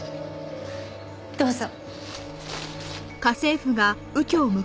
どうぞ。